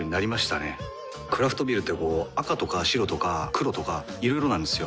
クラフトビールってこう赤とか白とか黒とかいろいろなんですよ。